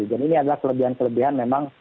dan ini adalah kelebihan kelebihan memang